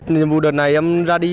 trong buổi đợt này em ra đi